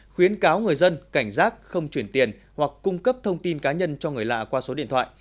khuyến cáo người dân cảnh giác không chuyển tiền hoặc cung cấp thông tin cá nhân cho người lạ qua số điện thoại